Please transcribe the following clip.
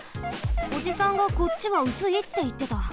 おじさんが「こっちはうすい」っていってた。